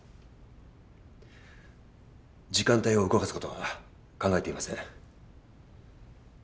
時間帯を動かすことは考えていません。